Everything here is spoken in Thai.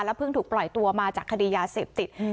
เพิ่งถูกปล่อยตัวมาจากคดียาเสพติด